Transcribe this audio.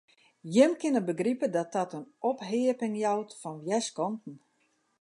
Jim kinne begripe dat dat in opheapping jout fan wjerskanten.